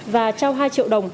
và trao hai triệu đồng